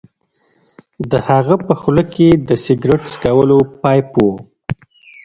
د هغه په خوله کې د سګرټ څکولو پایپ و